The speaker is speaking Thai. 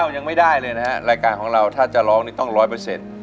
ยังไม่ได้เลยนะฮะรายการของเราถ้าจะร้องนี่ต้องร้อยเปอร์เซ็นต์